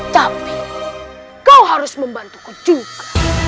tapi kau harus membantuku juga